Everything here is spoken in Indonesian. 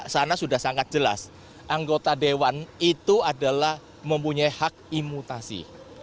sana sudah sangat jelas anggota dewan itu adalah mempunyai hak imutasi